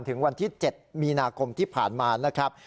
ถึงวันที่๗มีนาคมที่ผ่านมานะครับ